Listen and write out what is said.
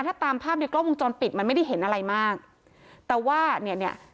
ถ้าตามภาพในกล้องวงจรปิดมันไม่ได้เห็นอะไรมากแต่ว่าเนี่ยเนี่ย